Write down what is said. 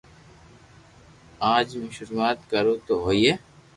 اج مون ݾروعات ڪرو تو ھوئي